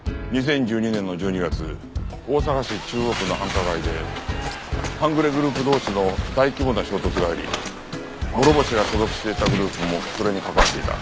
２０１２年の１２月大阪市中央区の繁華街で半グレグループ同士の大規模な衝突があり諸星が所属していたグループもそれに関わっていた。